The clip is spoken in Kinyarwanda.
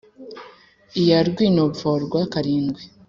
Iya rwinopforwa karindwi,